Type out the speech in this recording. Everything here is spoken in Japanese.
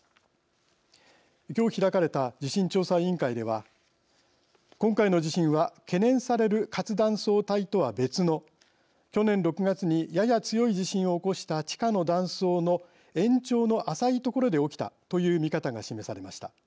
今日開かれた地震調査委員会では今回の地震は懸念される活断層帯とは別の去年６月にやや強い地震を起こした地下の断層の延長の浅い所で起きたという見方が示されました。